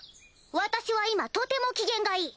私は今とても機嫌がいい。